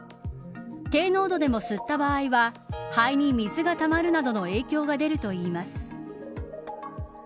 低濃度でも吸った場合は肺に水がたまるなどの影響が出るといいます。